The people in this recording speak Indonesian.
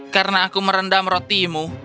karena aku merendam rotimu